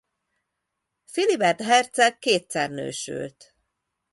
Filibert herceg kétszer nősült.